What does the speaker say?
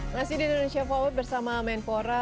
masih di indonesia forward bersama menpora